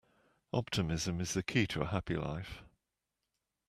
Optimism is the key to a happy life.